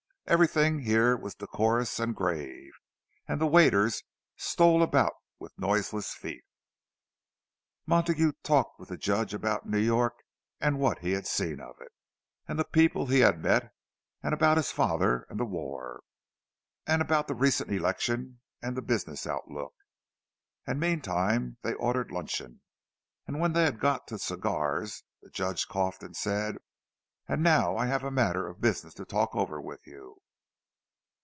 Everything here was decorous and grave, and the waiters stole about with noiseless feet. Montague talked with the Judge about New York and what he had seen of it, and the people he had met; and about his father, and the war; and about the recent election and the business outlook. And meantime they ordered luncheon; and when they had got to the cigars, the Judge coughed and said, "And now I have a matter of business to talk over with you."